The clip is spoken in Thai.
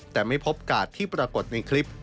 แต่ไม่พบกาดที่ปรากฏในคลิป